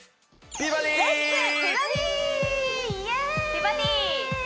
美バディ！